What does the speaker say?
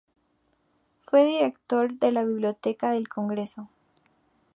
Fue director de la Biblioteca del Congreso.